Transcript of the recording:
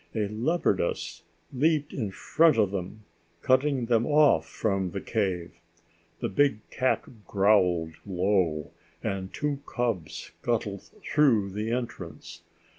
A leopardess leaped in front of them, cutting them off from the cave. The big cat growled low, and two cubs scuttled through the entrance.